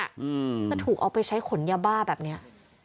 อืมจะถูกเอาไปใช้ขนยาบ้าแบบเนี้ย